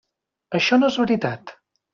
Això no és veritat.